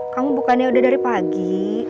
kamu bukannya udah dari pagi